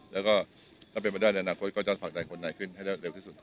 แล้วก็ถ้าเป็นประเภทในอนาคตก็จะฝากใดคนไหนขึ้นให้ได้เร็วที่สุดนะครับ